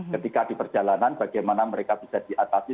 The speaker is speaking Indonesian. ketika di perjalanan bagaimana mereka bisa diatasi